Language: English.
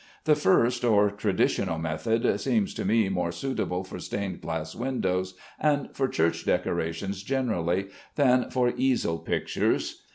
The first or traditional method seems to me more suitable for stained glass windows and for church decoration generally, than for easel pictures.